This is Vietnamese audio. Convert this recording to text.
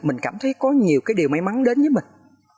mình cảm thấy có nhiều cái điều may mắn đến với mình